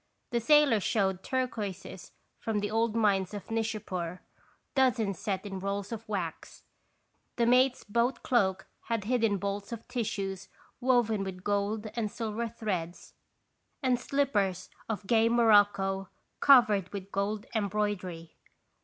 The sailor showed turquoises from the old mines of Nishapur, dozens set in rolls of wax. The mate's boat cloak had hidden bolts of tissues woven with gold and silver threads, and slip pers of gay morocco covered with gold em broidery.